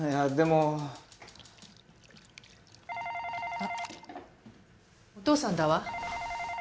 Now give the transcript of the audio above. あっお父さんだわ。